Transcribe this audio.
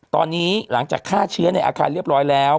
ตอนนี้หลังจากฆ่าเชื้อในอาคารเรียบร้อยแล้ว